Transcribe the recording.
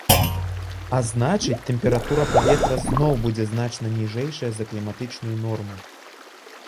А значыць тэмпература паветра зноў будзе значна ніжэйшая за кліматычную норму.